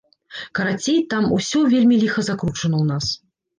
Карацей, там усё вельмі ліха закручана ў нас!